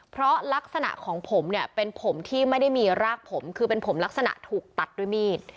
เพราะลักษณะของผมเนี่ยเป็นผมที่ไม่ได้มีรากผมคือเป็นผมลักษณะถูกตัดด้วยมีด